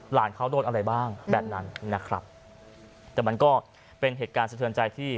หลานเขาโดนอะไรบ้างแบบนั้นนะครับแต่มันก็เป็นเหตุการณ์สะเทือนใจที่